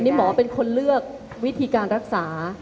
นี่หมอเป็นคนเลือกวิธีการรักษา